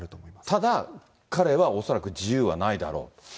ただ、彼は恐らく自由はないだろう。